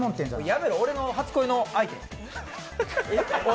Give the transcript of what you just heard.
やめろ、俺の初恋の相手。